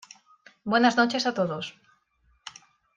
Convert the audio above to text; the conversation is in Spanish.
Buenas noches a todos.